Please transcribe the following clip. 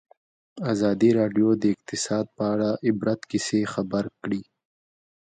ازادي راډیو د اقتصاد په اړه د عبرت کیسې خبر کړي.